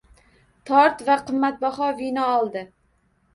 Tort va qimmatbaho vino oldi.